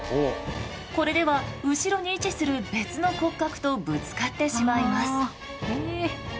これでは後ろに位置する別の骨格とぶつかってしまいます。